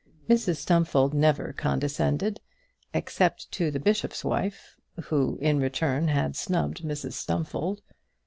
Mrs Stumfold never condescended except to the bishop's wife who, in return, had snubbed Mrs Stumfold.